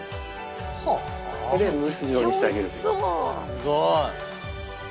「すごい！」